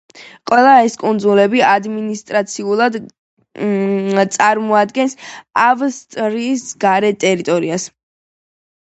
ყველა ეს კუნძულები ადმინისტრაციულად წარმოადგენს ავსტრალიის გარე ტერიტორიას.